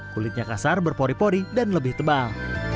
kulitnya kasar berpori pori dan lebih tebal